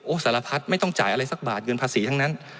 สารพัดไม่ต้องจ่ายอะไรสักบาทเงินภาษีทั้งนั้น